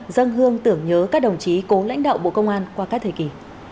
dân hương tưởng nhớ các đồng chí cố lãnh đạo bộ công an qua các thời kỳ